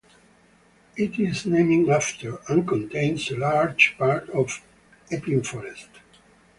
It is named after, and contains a large part of, Epping Forest.